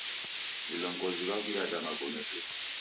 Vilongozi w'aw'iada magome tu.